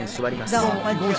どうも。